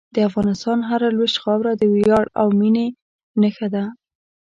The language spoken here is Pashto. د افغانستان هره لویشت خاوره د ویاړ او مینې نښه ده.